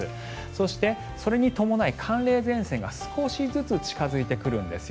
そして、それに伴い寒冷前線が少しずつ近付いてくるんです。